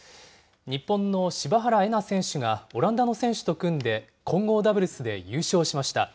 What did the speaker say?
日本の柴原瑛菜選手がオランダの選手と組んで、混合ダブルスで優勝しました。